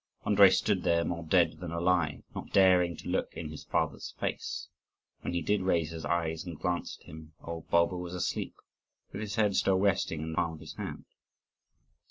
Andrii stood there, more dead than alive, not daring to look in his father's face. When he did raise his eyes and glance at him, old Bulba was asleep, with his head still resting in the palm of his hand.